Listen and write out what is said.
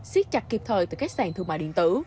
siết chặt kịp thời từ các sàn thương mại điện tử